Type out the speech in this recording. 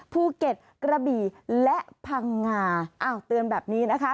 ภูเก็ตกระบี่และพังงาอ้าวเตือนแบบนี้นะคะ